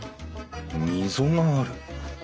溝がある。